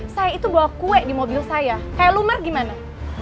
saya itu bawa kue di mobil saya kayak lumer gimana